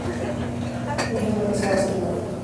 Esta es la que se ha asignado.